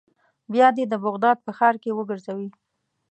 بیا دې د بغداد په ښار کې وګرځوي.